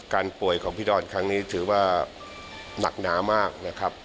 ป่วยของพี่ดอนครั้งนี้ถือว่าหนักหนามากนะครับ